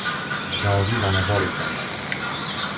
J’ai envie d’en avoir le cœur net.